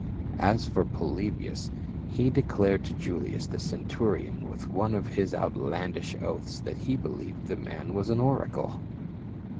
As for Polybius he declared to Julius, the centurion, with one of his outlandish oaths, that he believed the man was an oracle.